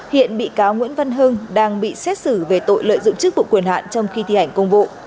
hiện bị cáo nguyễn văn hưng đang bị xét xử về tội lợi dụng chức vụ quyền hạn trong khi thi hành công vụ